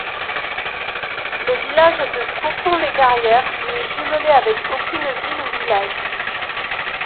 Le village de Courson-les-Carrières n'est jumelé avec aucune ville ou village.